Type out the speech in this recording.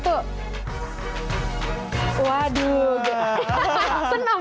pokoknya endingnya kayak senam